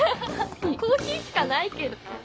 コーヒーしかないけど。